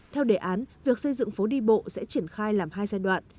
theo đề án việc xây dựng phố đi bộ sẽ triển khai làm hai giai đoạn